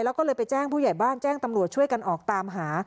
แล้วก็เลยไปแจ้งผู้ใหญ่บ้านแจ้งตำรวจช่วยกันออกตามหา